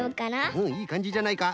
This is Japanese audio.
うんいいかんじじゃないか。